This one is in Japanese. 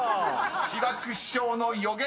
［志らく師匠の予言的中］